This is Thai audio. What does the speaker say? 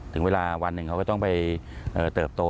ถึงเวลาวันหนึ่งเขาก็ต้องไปเติบโต